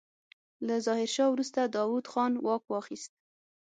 له ظاهرشاه وروسته داوود خان واک واخيست.